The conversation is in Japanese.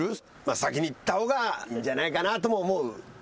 先にいった方がいいんじゃないかなとも思う。